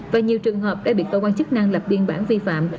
và nhiều trường hợp đã bị cơ quan chức năng lập biên bản vi phạm